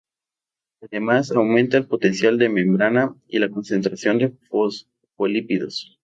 Además aumenta el potencial de membrana y la concentración de fosfolípidos.